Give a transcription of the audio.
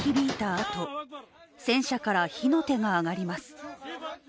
あと戦車から火の手が上がります。